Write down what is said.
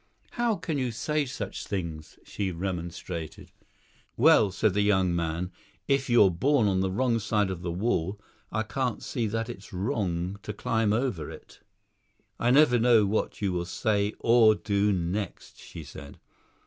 "How can you say such things!" she remonstrated. "Well," said the young man, "if you're born on the wrong side of the wall, I can't see that it's wrong to climb over it." "I never know what you will say or do next," she said.